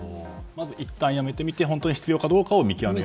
いったんやめてみて本当に必要かどうか見極める。